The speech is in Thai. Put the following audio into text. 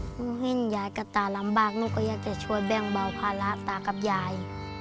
หนูเห็นยายกับตาลำบากหนูก็อยากจะช่วยแบ่งเบาภาระตากับยาย